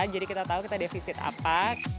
jadi kita tahu kita defisit apa